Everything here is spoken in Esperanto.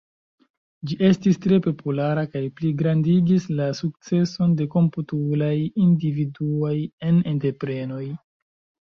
Ĝi estis tre populara kaj pligrandigis la sukceson de komputilaj individuaj en entreprenoj.